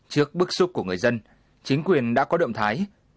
trước bức xúc của người dân chính quyền đã có động thái